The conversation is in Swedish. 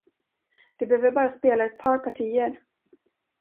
Du behöver bara spela ett par partier.